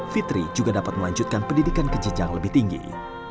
fitri juga dapat melanjutkan pendidikan kecikang lebih terbaik